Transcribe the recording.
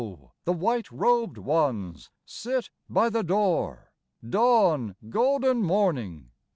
the white robed ones Sit by the door. Dawn, golden morning